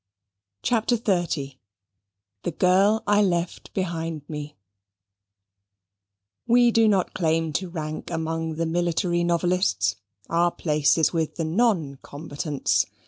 CHAPTER XXX "The Girl I Left Behind Me" We do not claim to rank among the military novelists. Our place is with the non combatants.